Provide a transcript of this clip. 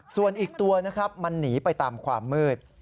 ส่วนอีกตัวนะครับมันหนีไปตามความมืด